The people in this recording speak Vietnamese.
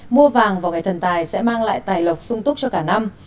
mua vàng vào ngày thần tài sẽ mang lại tài lộc sung túc cho cả năm